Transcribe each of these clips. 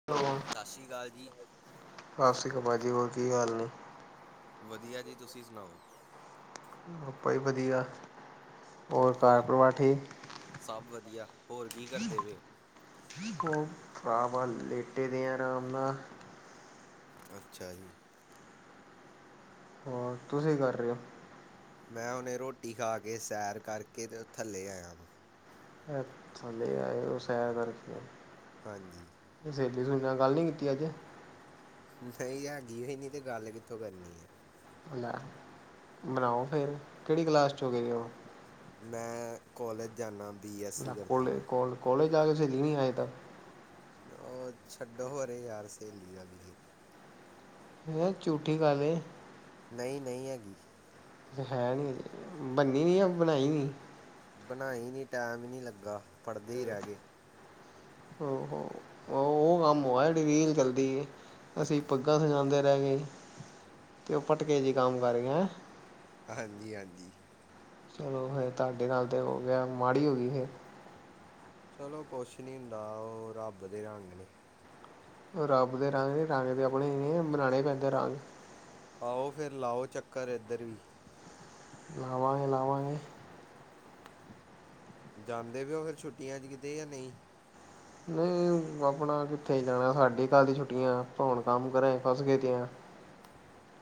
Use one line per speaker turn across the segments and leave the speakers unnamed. [inaudible]
ਅਸੀ ਕਾਲ ਜੀ।
ਸਾਸੀ ਕਾਲ ਭਾਜੀ, ਹੋਰ ਕੀ ਹਾਲ ਨੇ?
ਵਧੀਆ ਜੀ, ਤੁਸੀਂ ਸੁਣਾਓ?
ਆਪਾ ਵੀ ਵਧੀਆ। ਘਰ
ਹੋਰ
ਪਰਿਵਾਰ ਠੀਕ
ਸਭ ਵਧੀਆ, ਹੋਰ ਕੀ ਕਰਦੇ ਪਏ ਓ?
ਦਹੋਰ ਭਰਾਵਾ ਲੇਟੇ ਦੇ ਆ ਆਰਾਮ ਨਾਲ।
ਅੱਛਾ ਜੀ।
ਹੋਰ ਤੁਸੀਂ ਕੀ ਕਰ ਰੇ ਓ?
ਮੈਂ ਹੋਣੇ ਰੋਟੀ ਖਾ ਕੇ, ਸੈਰ ਕਰਕੇ ਤੇ ਥੱਲੇ ਆਇਆ ਵਾਂ।
ਐ ਥੱਲੇ ਆਏ ਓ ਸੈਰ ਕਰਕੇ।
ਹਾਂਜੀ।
ਸੇਲੀ-ਸੁਲੀ ਨਾਲ ਗੱਲ ਨੀ ਕੀਤੀ ਅੱਜ?
ਨਈਂ ਹੈਗੀਏ ਈ ਨੀ ਤੇ ਗੱਲ ਕਿੱਥੋਂ ਕਰਨੀ ਏ।
ਲੈ ਬਣਾਓ ਫੇਰ, ਕੇੜੀ ਕਲਾਸ ਚ ਹੋ ਗਏ ਓ?
ਮੈਂ ਕੋਲਜ ਜਾਨਾਂ, ਬੀ ਐੱਸ ਈ ਕਰਦਾ ਪਿਆਂ।
ਕੋੌਲੇਜ ਜਾਕੇ ਸੇਲੀ ਨੀ ਹਜੇ ਤਕ?
ਓ ਛੱਡੋ ਪਰੇ ਯਾਰ ਸੇਲੀ ਆਲੀ ਵੀ।
ਐ ਝੂਠੀ ਗੱਲ ਏ।
ਨਈਂ-ਨਈਂ ਹੈਗੀ।
ਹੈ ਨੀਂ! ਬੰਨੀ ਨੀ ਯਾ ਬਣਾਈ ਨੀ?
ਬਣਾਈ ਨੀ, ਟੈਮ ਨੀ ਲੱਗਾ ਪੜ੍ਹਦੇ ਈ ਰੈ ਗੇ।
ਓ ਹੋ, ਓ ਕੰਮ ਹੋ ਆ ਜੇੜੀ ਰੀਲ ਚੱਲਦੀ ਏ। ਅਸੀਂ ਪੱਗਾਂ ਸਜਾਂਦੇ ਰੈ ਗੇ ਤੇ ਓ ਪਟਕੇ ਚ ਈ ਕੰਮ ਕਰ ਗਏ।
ਹਾਂਜੀ-ਹਾਂਜੀ।
ਚਲੋ ਫਿਰ ਤੁਆਡੇ ਨਾਲ ਤੇ ਹੋ ਗਯਾ, ਮਾੜੀ ਹੋ ਗੀ ਫੇਰ।
ਚਲੋ ਕੁਛ ਨਹੀਂ ਹੁੰਦਾ ਉਹ ਰੱਬ ਦੇ ਰੰਗ ਨੇ।
ਰੱਬ ਦੇ ਰੰਗ, ਰੰਗ ਤੇ ਆਪਣੇ ਈ ਨੇ, ਬਨਾਣੇ ਪੈਂਦੇ ਨੇ ਰੰਗ।
ਆਓ ਫੇਰ ਲਾਓ ਚੱਕਰ ਇੱਧਰ ਵੀ।
ਲਾਵਾਂਗੇ-ਲਾਵਾਂਗੇ।
ਜਾਂਦੇ ਪੈ ਓ ਫੇਰ ਛੁੱਟੀਆਂ ਚ ਕਿਤੇ ਜਾਂ ਨਹੀਂ।
ਨਹੀਂ ਆਪਣਾ ਕਿੱਥੇ ਜਾਣਾ ਸਾਡੇ ਕੱਲ੍ਹ ਦੀ ਛੁੱਟੀਆਂ ਅਪਾ ਹੁਣ ਕੰਮ ਕਾਰਾ ਈ ਚ ਫਸ ਗਏ ਦੇ ਆਂ।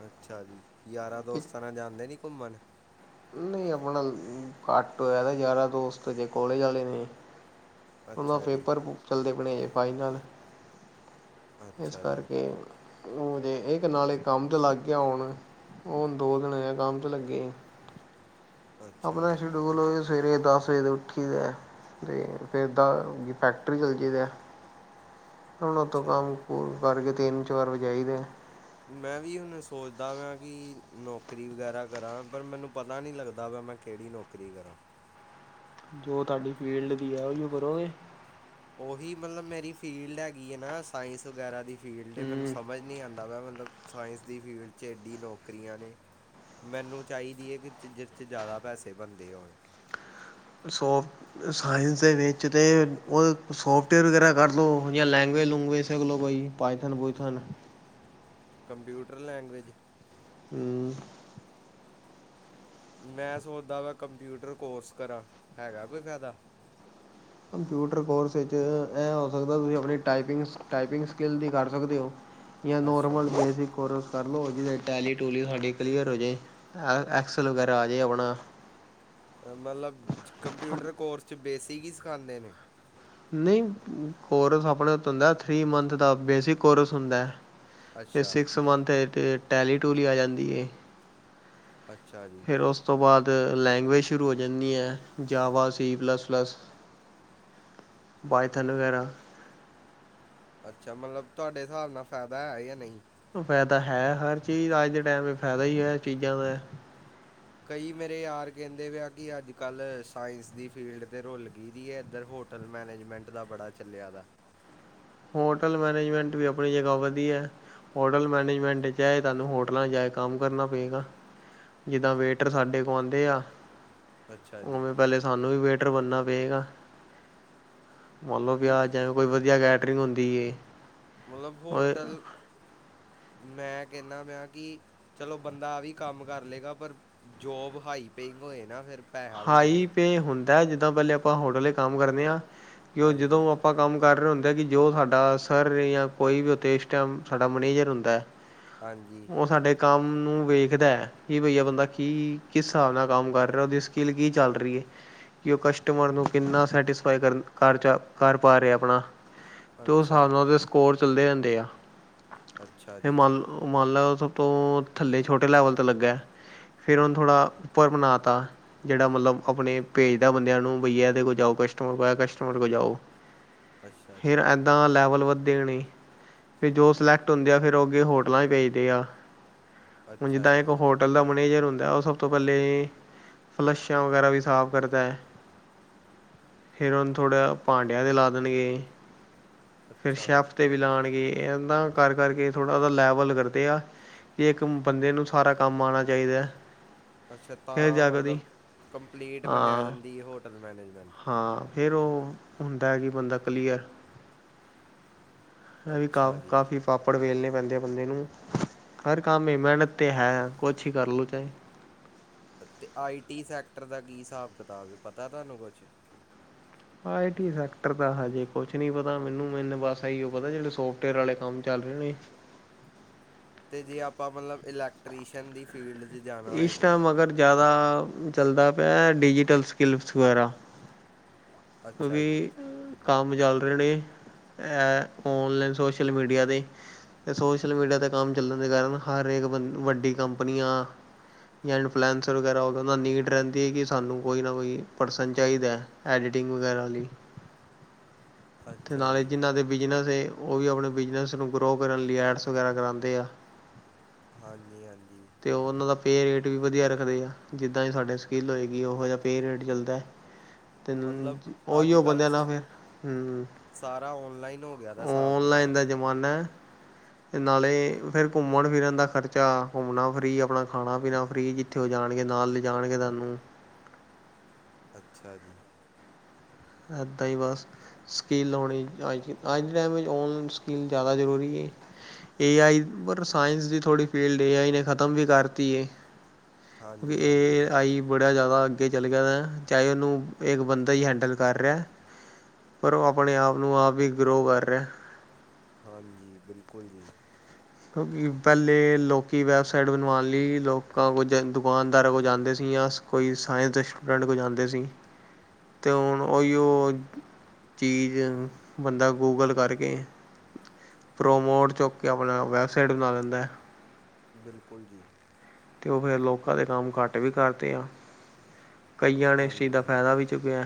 ਅੱਛਾ ਜੀ, ਯਾਰਾਂ ਦੋਸਤਾਂ ਨਾਲ ਜਾਂਦੇ ਨੀ ਘੁੰਮਣ।
ਨਹੀਂ ਆਪਣਾ ਘੱਟ ਹੋਇਆ ਯਾਰਾ ਦੋਸਤ ਤੇ ਅੱਜੇ ਕਾਲਜ ਆਲੇ ਨੇ। ਉੰਨਾ
ਅੱਛਾ ਜੀ
ਪੇਪਰ ਬੁੱ ਚੱਲਦੇ ਪਏ ਨੇ ਫਾਈਨਲ, ਇਸ
ਅੱਛਾ ਜੀ
ਕਰਕੇ। ਉਹ ਇੱਕ ਨਾਲੇ ਕੰਮ ਤੇ ਲੱਗ ਗਿਆ ਹੁਣ, ਹੁਣ ਦੋ ਦਿਨ ਹੋਏ ਕੰਮ ਚ ਲੱਗੇ।
ਅੱਛਾ
ਆਪਣਾ
ਜੀ
ਸ਼ਡਿਊਲ ਉਹੀ ਸਵੇਰੇ ਦਸ ਵਜੇ ਉੱਠੀ ਦੈ। ਫੇਰ ਦਾ-ਫੈਕਟਰੀ ਚੱਲ ਜਾਇ ਦੈ। ਹੁਣ ਉਓਥੋਂ
ਅੱਛਾ
ਕੰਮ-ਕੁਰ ਕਰਕੇ ਤਿੰਨ ਚਾਰ ਵਜੇ ਆਈ ਦੈ।
ਮੈਂ ਵੀ ਹੁਣ ਸੋਚਦਾ ਵਾਂ ਕਿ ਨੌਕਰੀ ਵਗੈਰਾ ਕਰਾਂ ਪਰ ਮੈਨੂੰ ਪਤਾ ਨਹੀਂ ਲੱਗਦਾ ਵਾ ਮੈਂ ਕਿਹੜੀ ਨੌਕਰੀ ਨੌਕਰੀ ਕਰਾਂ।
ਜੋ ਤੁਹਾਡੀ ਫੀਲਡ ਦੀ ਐ ਉਹੀਓ ਕਰੋਗੇ।
ਉਹੀ ਮਤਲਬ ਮੇਰੀ ਫੀਲਡ ਹੈਗੀ ਆ ਨਾ ਸਾਇੰਸ ਵਗੈਰਾ ਦੀ ਫੀਲਡ ਮੈਨੂੰ
ਹੂੰ
ਸਮਝ ਨਹੀਂ ਆਂਦਾ ਪਿਆ ਮਤਲਬ ਸਾਇੰਸ ਦੀ ਫੀਲਡ ਚ ਐੱਡੀ ਨੌਕਰੀਆਂ ਨੇ। ਮੈਨੂੰ ਚਾਹੀਦੀ ਐ ਕਿ ਚ ਜੀਰ ਚ ਜ਼ਿਆਦਾ ਪੈਸੇ ਬਣਦੇ ਹੋਣ।
ਸੋਫ ਸਾਇੰਸ ਦੇ ਵਿੱਚ ਤੇ ਉਹ ਸੋਫਟਵੇਅਰ ਵਗੈਰਾ ਕਰ ਲੋ ਜਾਂ ਲੈਂਗੁਏਜ ਲੂੰਗੁਏਜ ਸਿੱਖ ਲੋ ਕੋਈ। ਪਾਈਥਨ ਪੁਇਥੋਨ।
ਕੰਪਿਊਟਰ ਲੈਂਗੁਏਜ
ਹੁੰ।
ਮੈਂ ਸੋਚਦਾ ਪਿਆ ਕੰਪਿਊਟਰ ਕੋਰਸ ਕਰਾਂ, ਹੈਗਾ ਕੋਈ ਫਾਇਦਾ?
ਕੰਪਿਊਟਰ ਕੋਰਸ ਵਿੱਚ ਇਹ ਹੋ ਸਕਦਾ ਤੁਸੀਂ ਆਪਣੀ ਟਾਈਪਿੰਗ ਸ ਟਾਈਪਿੰਗ ਸਕਿੱਲ ਦੀ ਕਰ ਸਕਦੇ ਹੋ। ਜਾਂ
ਅੱਛਾ
ਨਾਰਮਲ ਬੇਸਿਕ ਕੋਰਸ। ਕਰ ਲੋ ਜੀਦੇ ਚ ਟੈਲੀ ਟੂਲੀ ਸਾਡੇ ਕਲੀਅਰ ਹੋ ਜੇ, ਐਕਸਲ ਵਗੈਰਾ ਆ ਜੇ ਆਪਣਾ।
ਮਤਲਬ ਕੰਪਿਊਟਰ ਕੋਰਸ ਚ ਬੇਸਿਕ ਹੀ ਸਿੱਖਾਂਦੇ ਨੇ।
ਨਹੀਂ ਕੋਰਸ ਆਪਣੇ ਹੱਥ ਹੁੰਦਾ ਥ੍ਰਰੀ ਮੰਥ ਦਾ ਬੇਸਿਕ ਕੋਰਸ ਹੁੰਦਾ ਐ। ਤੇ
ਅੱਛਾ
ਸਿਕਸ ਮੰਥ ਈ ਚ ਟੈਲੀ ਟੂਲੀ ਆ ਜਾਂਦੀ ਐ।
ਅੱਛਾ ਜੀ
ਫੇਰ ਉਸ ਤੋਂ ਬਾਅਦ ਲੈਂਗੁਏਜ ਸ਼ੁਰੂ ਹੋ ਜਾਂਦੀ ਐ Java, C plus plus. Python ਵਗੈਰਾ।
ਅੱਛਾ, ਮਤਲਬ ਤੁਹਾਡੇ ਹਿਸਾਬ ਨਾਲ ਫਾਇਦਾ ਐ ਜਾਂ ਨਹੀ।
ਫਾਇਦਾ ਹੈ, ਹਰ ਚੀਜ਼ ਅੱਜ ਦੇ ਟਾਈਮ ਫਾਇਦਾ ਹੀ ਐ ਚੀਜ਼ਾਂ ਦਾ।
ਕਈ ਮੇਰੇ ਯਾਰ ਕਹਿੰਦੇ ਵੀ ਆ ਕਿ ਅੱਜ ਕੱਲ੍ਹ ਸਾਇੰਸ ਦੀ ਫੀਲਡ ਤੇ ਰੁਲ ਗਈ ਦੀ ਐ, ਇੱਧਰ ਹੋ ਟਲ ਮੈਨੇਜਮੈਂਟ ਦਾ ਬੜਾ ਚੱਲਿਆ ਦਾ।
ਹੋਟਲ ਮੈਨੇਜਮੈਂਟ ਵੀ ਆਪਣੀ ਜਗਾ ਵਧੀਆ। ਹੋਟਲ ਮੈਨੇਜਮੈਂਟ ਚ ਐ ਹੈ ਤੁਹਾਨੂੰ ਹੋਟਲਾਂ ਚ ਜਾ ਕੇ ਕੰਮ ਕਰਨਾ ਪਏਗਾ। ਜਿੱਦਾਂ ਵੇਟਰ ਸਾਡੇ ਕੋਲ ਆਂਦੇ ਆ।
ਅੱਛਾ ਜੀ।
ਉਵੇਂ ਪਹਿਲੇ ਸਾਨੂੰ ਵੀ ਵੇਟਰ ਬਣਨਾ ਪਏਗਾ, ਮਲਬ ਕੀ
ਮ-
ਆਂ ਜੇਵੇਂ ਕੋਈ ਵਧੀਆ ਗ ਟਰਿੰਗ ਹੁੰਦੀ ਏ।
ਮਲਬ ਹੋਟਲ ਮੈਂ ਕੇਨਾਂ ਪਿਆਂ ਕਿ ਚਲੋ ਬੰਦਾ ਆ ਵੀ ਕੰਮ ਕਰ ਲੇਗਾ ਪਰ ਜੋਬ ਹਾਈ ਪੇਇੰਗ ਹੋਏ ਨਾ ਫੇਰ
ਹਾਈ ਪੇ ਹੁੰਦਾ ਜਿੱਦਾਂ ਪੈਲੇ ਆਪਾਂ ਹੋਟਲ ਏੱਚ ਕੰਮ ਕਰਨੇ ਆਂ ਕਿ ਓ ਜਦੋਂ
ਹਾਂਜੀ
ਆ ਪਾਂ ਕੰਮ ਕਰ ਰਏ ਹੁੰਦੇ ਐ ਕਿ ਜੋ ਸਾਡਾ ਸਰ ਯਾਂ ਕੋਈ ਵੀ ਓਥੇ ਇਸ ਟੈਮ ਸਾਡਾ ਮੈਨੇਜਰ ਹੁੰਦੈ [inaudible]
ਹਾਂਜੀ।
ਓ ਸਾਡੇ ਕੰਮ ਨੂੰ ਵੇਖਦੈ ਕਿ ਬਈ ਐ ਬੰਦਾ ਕੀ, ਕਿਸ ਸਾਬ ਨਾਲ ਕੰਮ ਕਰ ਰਿਐ, ਓਦੀ ਸਕਿਲ ਕੀ ਚੱਲ ਰੀਂ ਏ। ਕਿ ਓ ਕਸਟਮਰ ਨੂੰ ਕਿੰਨਾ ਸੈਟਿਸਫਾਈ ਕਰਨ, ਕਰ ਚ ਕਰ ਪਾ ਰਿਐ, ਆਪਣਾ ਤੇ ਓਸ
ਅੱਛਾ
ਸਾਬ ਨਾਲ ਤੇ ਸਕੋਰ ਚੱਲਦੇ ਰੈਂਦੇ ਆ।
ਅੱਛਾ
ਫੇਰ
ਜੀ
ਮੰਨ ਲੋ ਓ ਮੰਨ ਲੈ ਸਭ ਤੋਂ ਥੱਲੇ ਛੋਟੇ ਲੈਵਲ ਤੇ ਲੱਗੈ ਫੇਰ ਓਨੂੰ ਥੋੜਾ ਉੱਪਰ ਬਨਾ ਤਾ ਜੜਾ ਮਤਲਬ ਆਪਣੇ ਭੇਜਦਾ ਬੰਦਿਆਂ ਨੂੰ ਬਈ ਐਦੇ ਕੋਲ ਜਾਓ, ਕਸਟਮਰ ਕੋਈ ਆਇਐ, ਕਸਟਮਰ ਕੋਲ ਜਾਓ।
ਅੱਛਾ ਜੀ
ਫੇਰ ਅਗ ਦਾ ਲੈਵਲ ਵੱਧਦੇ ਨੀ। ਫੇਰ ਜੋ ਸਿਲੈਕਟ ਹੁੰਦੇ ਆ, ਫੇਰ ਓ ਅੱਗੇ ਹੋਟਲਾਂ 'ਚ ਭੇਜਦੇ ਆ। ਹੁਨ
ਅੱਛਾ
ਜਿੱਦਾਂ
ਜੀ
ਇੱਕ ਹੋਟਲ ਦਾ ਮੈਨੇਜਰ ਹੁੰਦੈ, ਓ ਸਭ ਤੋਂ ਪੈਲੇ ਫਲੱਸ਼ਾਂ ਵਗੈਰਾ ਵੀ ਸਾਫ਼ ਕਰਦੈ। ਫੇਰ ਓਨੰ ਥੋੜਾ ਭਾਂਡਿਆਂ ਤੇ ਲਾ ਦੇਨਗੇ, ਫੇਰ
ਅੱਛਾ
ਸ਼ੈਫ ਤੇ ਵੀ ਲਾਣਗੇ, ਐਂਦਾ ਕਰ ਕਰਕੇ ਥੋੜਾ ਓਦਾ ਲੈਵਲ ਕਰਦੇ ਆ ਤੇ ਏੱਕ ਬੰਦੇ ਨੂੰ ਸਾਰਾ ਕੰਮ ਆਣਾ ਚਾਈਦੈ।
ਅੱਛਾ, ਤਾਂ ਮਤਲਬ ਕੰਪਲੀਟ ਮੰਨਿਆ
ਹਾਂ
ਜਾਂਦੀ ਏ ਹੋਟਲ ਮੈਨੇਜਮੈਂਟ।
ਫੇਰ ਓ ਹੁੰਦਾ ਏ ਕਿ ਬੰਦਾ ਕਲੀਅਰ ਐ ਵੀ
ਅੱਛਾ
ਕੰਮ
ਜੀ
ਕਾਫੀ ਪਾਪੜ ਵੇਲਨੇ ਪੈਂਦੇ ਆ ਬੰਦੇ ਨੂੰ। ਹਰ ਕੰਮ ਮੇਂ ਮਿਹਨਤ ਤੇ ਹੈ, ਕੋਛ ਹੀ ਕਰ ਲੋ ਚਾਏ
ਤੇ ਆਈ ਟੀ ਸੈਕਟਰ ਦਾ ਕੀ ਹਿਸਾਬ ਕਿਤਾਬ ਏ, ਪਤੈ ਤੁਆਨੂੰ ਕੋਛ।
ਆਈ ਟੀ ਸੈਕਟਰ ਦਾ ਹਜੇ ਕੋਛ ਨੀ ਪਤਾ ਮੈਨੂੰ। ਮੈਨੂੰ ਬਸ ਐਈਯੋ ਪਤੈ ਜੇੜੇ ਸੋਫਟਵੇਅਰ ਆਲੇ ਕੰਮ ਚੱਲ ਰੇ ਨੇ
ਤੇ ਜੇ ਆਪਾਂ ਮਤਲਬ ਇਲੈਕਟ੍ਰੀਸ਼ੀਅਨ ਦੀ ਫੀਲਡ 'ਚ ਜਾ
ਇਸ ਟੈਮ ਅਗਰ ਜਿਆਦਾ ਚਲਦਾ ਪਿਐ ਡਿਜ਼ੀਟਲ ਸਕਿਲਸ ਵਗੈਰਾ ਪ
ਅੱਛਾ ਜੀ
ਵੀ ਕੰਮ ਚੱਲ ਰਹੇ ਨੇ ਐ ਓਨਲਾਈਨ ਸੋਸ਼ਲ ਮੀਡੀਆ 'ਤੇ। ਐ ਸੋਸ਼ਲ ਮੀਡੀਆ 'ਤੇ ਕੰਮ ਚੱਲਨ ਦੇ ਕਾਰਨ, ਹਰ ਏਕ ਬੰ ਵੱਡੀ ਕੰਪਨੀਆਂ ਯਾਂ ਇਨਫਲੂਐਸਰ ਵਗੈਰਾ ਹੋ ਗਿਆ, ਓਨਾਂ ਨੂੰ ਨੀਡ ਰੈਂਦੀ ਏ ਕਿ ਸਾਨੂੰ ਕੋਈ ਨਾ ਕੋਈ ਪਰਸਨ ਚਾਈਦੈ। ਐਡੀਟਿੰਗ ਵਗੈਰਾ ਲਈ ਤੇ
ਅੱਛਾ
ਨਾਲੇ
ਜੀ
ਜਿੰਨਾਂ ਦੇ ਬਿਜਨਸ ਏ ਓ ਵੀ ਆਪਨੇ ਬਿਜਨਸ ਨੂੰ ਗਰੋ ਕਰਨ ਲਈ ਐਡਸ ਵਗੈਰਾ ਕਰਾਂਦੇ ਆ।
ਹਾਂਜੀ-ਹਾਂਜੀ।
ਤੇ ਓ ਓਨਾਂ ਦਾ ਪੇਅ ਰੇਟ ਵੀ ਵਧੀਆ ਰੱਖਦੇ ਆ। ਜਿੱਦਾਂ ਦੀ ਸਾਡੇ ਸਕਿੱਲ ਹੋਏਗੀ ਓਹੋ ਜਿਆ ਪੇਅ ਰੇਟ ਚੱਲਦੈ। ਤੇ
ਮਤਲਬ ਅੱਜ
ਓਈਯੋ
ਕੱਲ੍ਹ
ਬੰਦਿਆਂ ਨਾ
ਸ-
ਫੇਰ। ਹੂੰ।
ਸਾਰਾ ਓਨਲਾਈਨ ਹੋ ਗਿਆ ਦਾ ਸਾਬ
ਲਾਈਨ ਦਾ ਜਮਾਨੈ। ਨਾਲੇ ਫੇਰ ਘੁੰਮਨ ਫਿਰਨ ਦਾ ਖਰਚਾ ਘੁੰਮਨਾ ਫ੍ਰੀ, ਆਪਣਾ ਖਾਣਾ ਪੀਣਾ ਫ੍ਰੀ। ਜਿੱਥੇ ਓ ਜਾਣਗੇ ਨਾਲ ਲਿਜਣਗੇ ਸਾਨੂੰ।
ਅੱਛਾ ਜੀ।
ਐਦਾਂ ਈ ਬਸ ਸਕਿੱਲ ਔਣੀ। ਅੱਜ, ਅੱਜ ਦੇ ਟੈਮ ਇੱਚ ਓਨਲਾਈਨ ਸਕਿੱਲ ਜਿਆਦਾ ਜਰੂਰੀ ਏ। ਏ ਆਈ, ਪਰ ਸਾਇੰਸ ਦੀ ਥੋੜ੍ਹੀ ਫੀਲਡ ਏ ਆਈ ਨੇ ਖਤਮ ਵੀ ਕਰਤੀ ਏ। ਕਿਉਕਿ
ਹਾਂਜੀ ਹਾਂਜੀ
ਏ ਆਈ ਬੜਾ ਜਾਦਾ ਅੱਗੇ ਚੱਲ ਗਿਆ ਵ, ਚਾਏ ਉਨੂੰ ਏਕ ਬੰਦਾ ਹੀ ਹੈਂਡਲ ਕਰ ਰਿਆ, ਪਰ ਓ ਅਪਣੇ ਆਪ ਨੂੰ ਆਪ ਹੀ ਗਰੋ ਕਰ ਰਿਆ।
ਹਾਂਜੀ, ਬਿਲਕੁਲ ਜੀ।
ਕਿਉਂਕਿ ਪੈਲੇ ਲੋਕੀ ਵੈਬਸਾਈਟ ਬਨਵਾਨ ਲੀ ਲੋਕਾਂ ਕੋਲ ਜੈਂਜ ਦੁਕਾਨਦਾਰਾਂ ਕੋਲ ਜਾਂਦੇ ਸੀ ਯਾਂ - ਕੋਈ ਸਾਇੰਸ ਦੇ ਸਟੂਡੈਂਟ ਕੋਲ ਜਾਂਦੇ ਸੀ। ਤੇ ਹੁਣ ਉਈਓ ਚੀਜ਼ ਬੰਦਾ ਗੂਗਲ ਕਰਕੇ ਪ੍ਰੋਮੋਡ ਚੁੱਕ ਕੇ ਅਪਣਾ ਵੈਬਸਾਈਟ ਬਣਾ ਲੈਂਦਾ।
ਬਿਲਕੁਲ ਜੀ।
ਤੇ ਓ ਫੇਰ ਲੋਕਾਂ ਦੇ ਕੰਮ ਘੱਟ ਵੀ ਕਰਤੇ ਆ, ਕਈਆਂ ਨੇ ਇਸ ਚੀਜ਼ ਦਾ
ਹਾਂਜੀ
ਫੈਦਾ ਵੀ ਚੁੱਕਿਐ।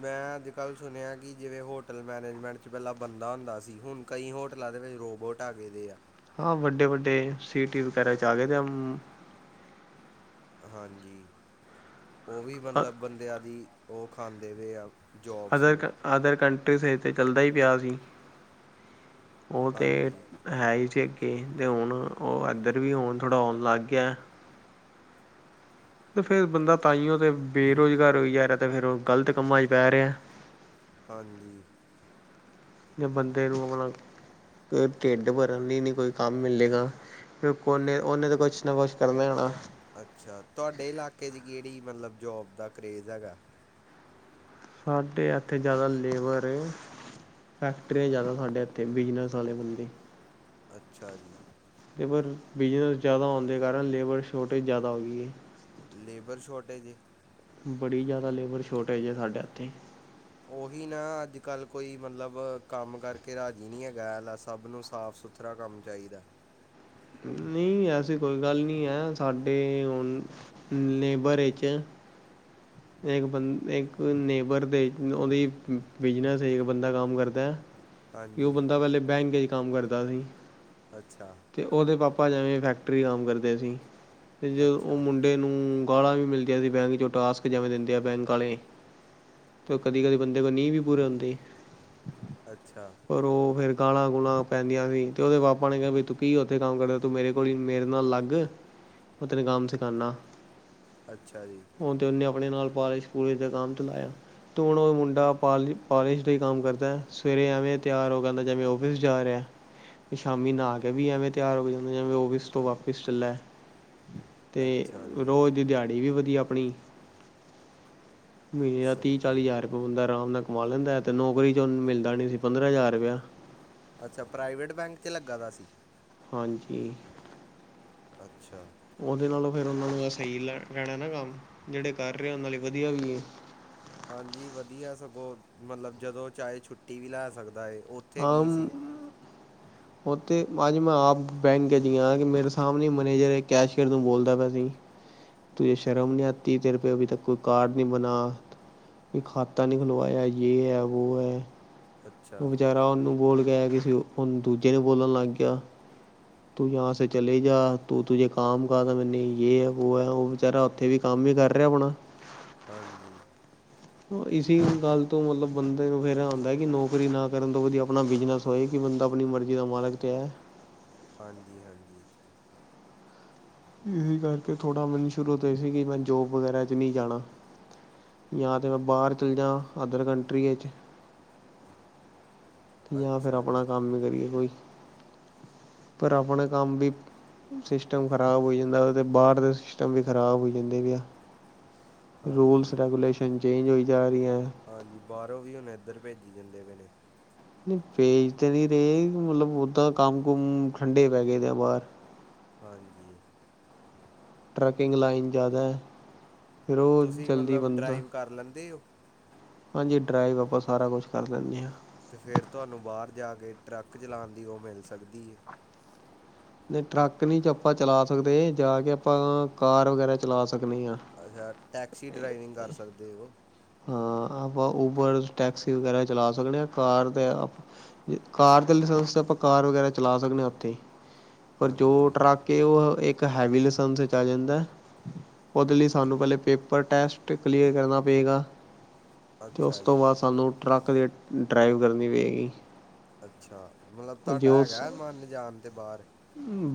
ਮੈਂ ਅੱਜ ਕੱਲ੍ਹ ਸੁਨਯੈ ਕਿ ਜਿਵੇਂ ਹੋਟਲ ਮੈਨੇਜਮੈਂਟ ਚ ਪੈਲਾਂ ਬੰਦਾ ਹੁੰਦਾ ਸੀ, ਹੁਣ ਕਈ ਹੋਟਲਾਂ ਦੇ ਵਿੱਚ ਰੋਬਟ ਆ ਗਏ ਦੇ ਆ।
ਹਾਂ, ਵੱਡੇ-ਵੱਡੇ ਸੀਟੀ ਵਗੈਰਾ ਚ ਆ ਗਏ ਦੇ ਆ, ਮ
ਹਾਂਜੀ, ਓ ਵੀ ਮਤਲਬ ਬੰਦਿਆਂ ਦੀ ਓ ਖਾਂਦੇ ਬੇ ਆ। ਜੋਬਸ
ਅਦਰ
ਨੂੰ
ਕਨ -ਅਦਰ ਕੰਟਰੀਜ਼ ਏ ਤੇ ਚੱਲਦਾ ਈ ਪਿਆ ਸੀ। ਓ ਤੇ
ਹਾਂਜੀ
ਹੈ ਹੀ ਜੀ ਅੱਗੇ। ਤੇ ਹੁਣ ਓ ਐਧਰ ਵੀ ਹੁਨ ਥੋੜ੍ਹਾ ਔਂਨ ਲੱਗ ਗਿਆ। ਤੇ ਫੇਰ ਬੰਦਾ ਤਾਈਓ ਤੇ ਬੇਰੋਜ਼ਗਾਰ ਹੋਈ ਜਾ ਰਿਆ ਤੇ ਫੇਰ ਓ ਗਲਤ ਕੰਮਾਂ ਚ ਪੈ ਰਿਆ।
ਹਾਂਜੀ।
ਜਾਂ ਬੰਦੇ ਨੂੰ ਅਪਣਾ, ਢਿੱਡ ਭਰਨ ਲਈ ਨੀ ਕੋਈ ਕੰਮ ਮਿਲੇਗਾ। ਫੇਰ ਓਨੇ, ਓਨੇ ਤੇ ਕੁਛ ਨਵਾ ਕਰਨੈ ਨਾ।
ਅੱਛਾ, ਤੁਆਡੇ ਇਲਾਕੇ ਚ ਕੇੜ੍ਹੀ ਮਤਲਬ ਜੋਬ ਦਾ ਕਰੇਜ਼ ਹੈਗਾ?
ਸਾਡੇ ਐਥੇ ਜਾਦਾ ਲੇਬਰ ਏ। ਫੈਕਟਰੀਆਂ ਜਾਦਾ ਸਾਡੇ ਐਥੇ, ਬਿਜਨਸ ਆਲੇ ਬੰਦੇ।
ਅੱਛਾ ਜੀ।
ਲੇਬਰ, ਬਿਜਨਸ ਜਾਦਾ ਹੋਨ ਦੇ ਕਾਰਨ ਲੇਬਰ ਸ਼ੋਟੇਜ ਜਾਦਾ ਹੋ ਗਈ ਏ।
ਲੇਬਰ ਸ਼ੋਰਟੇਜ ਏ?
ਬੜੀ ਜਾਦਾ ਲੇਬਰ ਸ਼ੋਰਟੇਜ ਏ ਸਾਡੇ ਐਥੇ।
ਓਹੀ ਨਾ, ਅੱਜ ਕੱਲ੍ਹ ਕੋਈ ਮਤਲਬ ਕੰਮ ਕਰਕੇ ਰਾਜੀ ਨੀ ਹੈਗਾ ਐਲੈ ਸਭ ਨੂੰ ਸਾਫ ਸੁਥ ਸੁਥਰਾ ਕੰਮ ਚਾਈਦੈ।
ਨਈ, ਐਸੀ ਕੋਈ ਗੱਲ ਨੀ ਐ, ਸਾਡੇ ਹੁਨ ਨੇਭਰ ਚ ਏਕ ਬੰ, ਏਕ ਨੇਬਰ ਦੇ ਓਦੀ ਬਿਜਨਸ ਏਕ ਬੰਦਾ ਕੰਮ ਕਰਦੈ। ਤੇ ਓ
ਹਾਂਜੀ
ਬੰਦਾ ਪੈਲੇ ਬੈਂਕ ਚ ਕੰਮ ਕਰਦਾ ਸੀ।
ਅੱਛਾ।
ਤੇ ਓਦੇ ਪਾਪਾ ਜੈਵੇਂ ਫੈਕਟਰੀ ਕੰਮ ਕਰਦੇ ਸੀ, ਤੇ ਜੋ ਓ
ਅੱਛਾ
ਮੁੰ ਡੇ ਨੂੰ ਗਾਲਾਂ ਵੀ ਮਿਲਦੀਆਂ ਸੀ, ਬੈਂਕ ਚ ਜੋ ਟਾਸਕ ਜੈਵੇ ਦੇਂਦੇ ਆ ਬੈਂਕ ਆਲੇ, ਤੇ ਓ ਕਦੀ- ਕਦੀ ਬੰਦੇ ਕੋਲ ਨੀ ਵੀ ਪੂਰੇ ਹੁੰਦੇ।
ਅੱਛਾ।
ਪਰ ਓ ਫੇਰ ਫੇਰ ਗਾਲਾਂ- ਗੂਲਾ ਪੈਂਦੀਆਂ ਸੀ, ਤੇ ਓਦੇ ਪਾਪਾ ਨੇ ਕਿਆ ਵੀ ਤੂੰ ਕੀ ਉੱਥੇ ਕੰਮ ਕਰ ਤੂੰ ਮੇਰੇ ਕੋਲ ਈ, ਮੇਰੇ ਨਾਲ ਲੱਗ, ਮੈਂ ਤੈਂਨ ਕੰਮ ਸਿਖਾਨਾ।
ਅੱਛਾ ਜੀ।
ਤੇ ਓਨੇ ਅਪਣੇ ਨਾਲ ਪਾਲਸ਼ -ਪੂਲੇਸ਼ ਦੇ ਕੰਮ ਤੇ ਲਾਇਆ। ਤੇ ਹੁਣ ਓ ਮੁੰਡਾ ਪਾਲੀ -ਪਾਲਿਸ਼ ਦਾ ਈ ਕੰਮ ਕਰਦੈ, ਸਵੇਰੇ ਐਵੇਂ ਤਿਆਰ ਹੋ ਕੇ ਆਂਦੈ ਜੈਵੇਂ ਔਫਿਸ ਜਾ ਰਿਆ ਤੇ ਸ਼ਾਮੀ ਨਾਂਅ ਕੇ ਵੀ ਐਵੇਂ ਤਿਆਰ ਹੋ ਕੇ ਜਾਂਦੈ ਜੈਵੇ ਆਫਿਸ ਤੋਂ ਵਾਪਿਸ ਚੱਲਾ। ਅਤੇ
ਅੱਛਾ ਜੀ
ਰੋਜ਼ ਦੀ ਦਿਹਾੜੀ ਵੀ ਵਧੀਆ ਆਪਣੀ। ਮਹੀਨੇ ਦਾ ਤੀਹ
ਸਹੀ
ਚਾਲੀ
ਹੈ
ਹਜ਼ਾਰ ਰੁਪਏ ਬੰਦਾ ਆਰਾਮ ਨਾਲ ਕਮਾ ਲੈਂਦਾ ਏ। ਤੇ ਨੌਕਰੀ ਚ ਮਿਲਦਾ ਨਹੀਂ ਸੀ ਪੰਦਰਾਂ ਹਜ਼ਾਰ ਰੁਪਇਆ।
ਅੱਛਾ ਪ੍ਰਾਈਵੇਟ ਬੈਂਕ ਚ ਲੱਗਾ ਦਾ ਸੀ।
ਹਾਂਜੀ।
ਅੱਛਾ
ਉਹਦੇ ਨਾਲੋਂ ਫੇਰ ਉਹਨਾਂ ਨੂੰ ਆ ਸਹੀ ਲ ਰਹਿਣਾ ਨਾ ਕੰਮ, ਜਿਹੜੇ ਕਰ ਰਹੇ ਆ ਉਹਨਾਂ ਲਈ ਵਧੀਆ ਵੀ ਹੈ।
ਹਾਂਜੀ ਵਧੀਆ ਸਗੋਂ ਮਤਲਬ ਜਦੋਂ ਚਾਹੇ ਛੁੱਟੀ ਵੀ ਲੈ ਸਕਦਾ ਹੈ।
[inaudible] ਉੱਥੇ ਅੱਜ ਮੈਂ ਆਪ ਬੈਕ ਚ ਗਿਆ ਕਿ ਮੇਰੇ ਸਾਹਮਣੇ ਮੈਨੇਜਰ ਇਕ ਕੈਸ਼ੀਅਰ ਨੂੰ ਬੋਲਦਾ ਪਿਆ ਸੀ। ਤੁਜੇ ਸ਼ਰਮ ਨੀ ਆਤੀ ਤੇਰੇ ਪੇ ਅਭੀ ਤੱਕ ਕੋਈ ਕਾਰਡ ਨੀ ਬਣਾ। ਕੋਈ ਖਾਤਾ ਨੀ ਬਣਵਾਇਆ ਯੇ ਐ ਵੋ ਐ।
ਅੱਛਾ।
[unintelligible] ਨੂੰ ਬੋਲ ਕੇ ਆਇਆ ਕਿਸੇ ਹੁਣ ਦੂਜੇ ਨੂੰ ਬੋਲਣ ਲੱਗ ਗਿਆ। ਤੂੰ ਯਾਹਾ ਸੇ ਚਲੇ ਜਾ ਤੂੰ ਤੁਝੇ ਕੰਮ ਕਾਬਿਲ ਨਈ ਯੇ ਐ ਵੋ ਐ ਉਹ ਬਚਾਰਾ ਉੱਥੇ ਵੀ ਕੰਮ ਈ ਕਰ ਰਿਹਾ ਹੋਣਾ।
ਹਾਂਜੀ।
ਇਸੀ ਗੱਲ ਤੋਂ ਮਤਲਬ ਬੰਦੇ ਨੂੰ ਫੇਰ ਐ ਹੁੰਦਾਂ ਏ, ਕਿ ਨੌਕਰੀ ਨਾ ਕਰਨ ਤੋਂ ਵਧੀਆ ਆਪਣਾ ਬਿਜਨਸ ਹੋਏ ਕਿ ਬੰਦਾ ਆਪਣੀ ਮਰਜ਼ੀ ਦਾ ਮਾਲਕ ਤੇ ਹੈ।
ਹਾਂਜੀ-ਹਾਂਜੀ।
ਇਸੀ ਕਰਕੇ ਥੋੜ੍ਹਾ ਮੈਨੂੰ ਸ਼ੁਰੂ ਤੋਂ ਈ ਸੀ ਕਿ ਮੈਂ ਜੋਬ ਵਗੈਰਾ ਚ ਨੀ ਜਾਣਾ। ਜਾਂ ਤਾਂ ਮੈਂ ਬਾਹਰ ਚੱਲ ਜਾਂ ਅਦਰ ਕੰਟਰੀਆ ਚ ਜਾਂ ਫਿਰ
ਅੱਛਾ
ਆਪਣਾ
ਜੀ
ਕੰਮ ਈ ਕਰੀਏ ਕੋਈ ਪਰ ਆਪਣਾ ਕੰਮ ਵੀ ਸਿਸਟਮ ਖ਼ਰਾਬ ਹੋਈ ਜਾਂਦਾ, ਉਦੇ ਬਾਹਰ ਦੇ ਸਿਸਟਮ ਵੀ ਖ਼ਰਾਬ ਹੋਈ ਜਾਂਦੇ ਵੇ ਆ ਰੂਲਸ
ਹਾਂਜੀ
ਰੈਗੂਲੇਸ਼ਨ ਚੇਂਜ ਹੋਈ ਜਾ ਰਹੀ ਐ।
ਹਾਂਜੀ ਬਾਹਰੋਂ ਵੀ ਹੁਣ ਏਧਰ ਭੇਜੀ ਜਾਂਦੇ ਪਏ ਨੇ।
ਨ‌ਈ ਭੇਜ ਤੇ ਨੀ ਰਹੇ ਮਤਲਬ ਓਦਾਂ ਕੰਮ-ਕੁਮ ਠੰਡੇ ਪੈ ਗਏ ਨੇ ਬਾਹਰ।
ਹਾਂਜੀ‌।
ਟਰਕਿੰਗ ਲਾਈਨ ਜ਼ਿਆਦਾ ਫੇਰ ਉਹ
ਤੁਸੀਂ
ਜਲਦੀ
ਮਤਲਬ
ਬੰਦਾ
ਡਰਾਈਵ ਕਰ ਲੈਂਦੇ ਓ
ਹਾਂਜੀ ਡਰਾਈਵ ਆਪਾਂ ਸਾਰਾ ਕੁਛ ਕਰ ਲੈਣੇ ਆ।
ਤੇ ਫੇਰ ਤੁਹਾਨੂੰ ਬਾਹਰ ਜਾ ਕੇ ਟਰੱਕ ਚਲਾਣ ਦੀ ਉਹ ਮਿਲ ਸਕਦੀ ਏ।
ਨਹੀਂ ਟਰੱਕ ਨੀ ਚ ਆਪਾਂ ਚਲਾ ਸਕਦੇ, ਜਾ ਕੇ ਆਪਾਂ ਕਾਰ ਵਗੈਰਾ ਚਲਾ ਸਕਦੇ ਆ।
ਅੱਛਾ ਟੈਕਸੀ ਡਰਾਈਵਿੰਗ ਕਰ ਸਕਦੇ ਓ?
ਹਾਂ ਆਪਾਂ ਉਬਰ ਟੈਕਸੀ ਵਗੈਰਾ ਚਲਾ ਸਕਦੇ ਆ ਕਾਰ ਤੇ ਏ ਕਾਰ ਦੇ ਲਸੈਸ ਆਪਾਂ ਕਾਰ ਵਗੈਰਾ ਚਲਾ ਸਕਦੇ ਆ ਉੱਥੇ ਪਰ ਜੋ
ਹਾਂਜੀ
ਟਰੱਕ ਕੇ ਉਹ ਇੱਕ ਹੈਵੀ ਲਸੈਸ ਵਿੱਚ ਆ ਜਾਂਦਾ ਐ। ਉਹਦੇ ਲਈ ਸਾਨੂੰ ਪਹਿਲੇ ਪੇਪਰ ਟੈਸਟ ਕਲੀਅਰ ਕਰਨਾ ਪਏਗਾ। ਤੇ ਉਸ
ਅੱਛਾ
ਤੋਂ
ਜੀ
ਬਾਅਦ ਸਾਨੂੰ ਟਰੱਕ ਦੀ ਡਰਾਈਵ ਕਰਨੀ ਪਏਗੀ।
ਅੱਛਾ ਮਤਲਬ
ਜੇ
ਤੁਹਾਡਾ
ਉਸ
ਹੈਗਾ ਮਨ ਜਾਣ ਦੇ ਬਾਹਰ?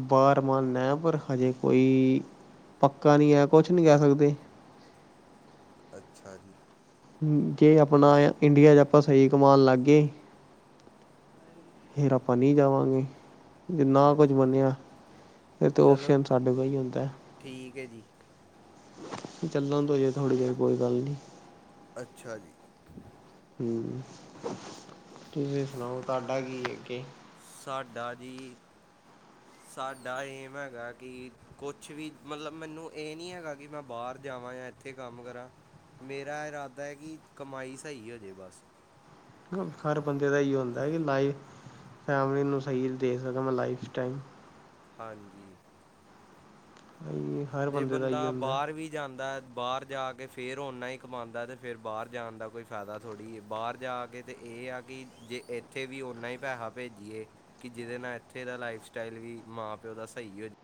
ਬਾਹਰ ਮਨ ਐ ਪਰ ਹਜੇ ਕੋਈ ਪੱਕਾ ਨਈ ਐ ਕੁਛ ਨੀ ਕਹਿ ਸਕਦੇ।
ਅੱਛਾ ਜੀ।
ਹੂੰ ਜੇ ਆਪਣਾ ਇੰਡੀਆ ਚ ਆਪਾਂ ਸਹੀ ਕਮਾਉਣ ਲੱਗ ਗੇ ਫੇਰ ਆਪਾਂ ਨਹੀਂ ਜਾਵਾਂਗੇ। ਜੇ ਨਾ
ਅੱਛਾ ਜੀ
ਕੁਝ ਬਣਿਆ ਫੇਰ ਤੇ
ਚਲੋ
ਓਪਸ਼ਨ ਸਾਡੇ ਕੋਲ ਹੀ ਹੁੰਦਾ।
ਠੀਕ ਹੈ ਜੀ
ਚੱਲਣ ਦੋ ਹਜੇ ਥੋੜੀ ਦੇਰ ਕੋਈ ਗੱਲ ਨੀ।
ਅੱਛਾ ਜੀ।
ਹੂੰ ਤੁਸੀ ਸੁਣਾਓ ਤੁਹਾਡਾ ਕੀ ਏ ਅੱਗੇ?
ਸਾਡਾ ਜੀ
[inaudible]
ਸਾਡਾ ਏਮ ਹੈਗਾ ਕਿ ਕੁਛ ਵੀ, ਮਤਲਬ ਮੈਨੂੰ ਇਹ ਨਹੀਂ ਹੈਗਾ ਕਿ ਮੈਂ ਬਾਹਰ ਜਾਵਾਂ ਜਾਂ ਇੱਥੇ ਇੱਥੇ ਕੰਮ ਕਰਾਂ, ਮੇਰਾ ਇਰਾਦਾ ਐ ਕਿ ਕਮਾਈ ਸਹੀ ਹੋਜੇ ਬਸ।
ਹਰ ਬੰਦੇ ਦਾ ਏਹੀਓ ਹੁੰਦਾ ਕਿ ਲਾਈਫ ਫੈਮਲੀ ਨੂੰ ਸਹੀ ਦੇ ਸਕਾਂ ਮੈਂ ਲਾਈਫ ਟਾਇਮ
ਹਾਂਜੀ।
[inaudible]
ਜੇ
ਦਾ ਇਹੀ
ਬੰਦਾ
ਹੁੰਦਾ
ਬਾਹਰ ਵੀ ਜਾਂਦਾ ਬਾਹਰ ਜਾ ਕੇ ਫੇਰ ਉਨਾ ਹੀ ਕਮਾਂਦਾ ਏ, ਤੇ ਫੇਰ ਬਾਹਰ ਜਾਣ ਦਾ ਕੋਈ ਫਾਇਦਾ ਥੋੜ੍ਹੀ ਏ ਜੇ ਬਾਹਰ ਜਾ ਕੇ ਤੇ ਇਹ ਆ ਕਿ ਜੇ ਇੱਥੇ ਵੀ ਉਹਨਾ ਹੀ ਪੈਸਾ ਭੇਜੀਏ। ਕਿ ਜਿਹਦੇ ਨਾਲ ਇੱਥੇ ਦਾ ਲਾਈਫ ਸਟਾਈਲ ਵੀ ਮਾਂ ਪਿਓ ਦਾ ਸਹੀ ਹੋਜ